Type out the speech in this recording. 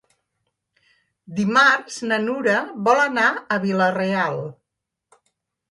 Dimarts na Nura vol anar a Vila-real.